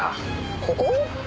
ここ？